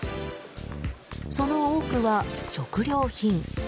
その多くは、食料品。